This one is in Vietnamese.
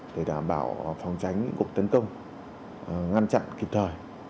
để đảm bảo phòng tránh những cuộc tấn công ngăn chặn kịp thời